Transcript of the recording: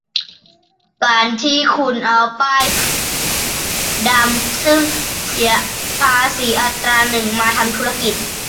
แล้วการที่คุณเอารถป้ายดำซึ่งเสียภาษีอัตราหนึ่ง มาทำธุรกิจ